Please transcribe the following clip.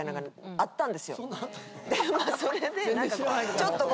それで。